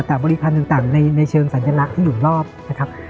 แต่บริพันธ์ต่างในเชิงสัญลักษณ์ที่อยู่รอบนะครับ